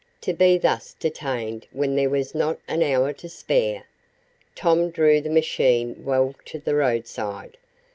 To be thus detained when there was not an hour to spare! Tom drew the machine well to the roadside.